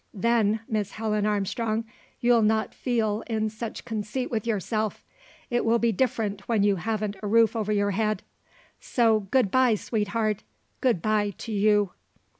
Then, Miss Helen Armstrong, you'll not feel in such conceit with yourself. It will be different when you haven't a roof over your head". So good bye, sweetheart! Good bye to you.